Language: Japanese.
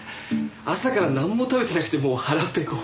朝からなんも食べてなくてもう腹ペコ。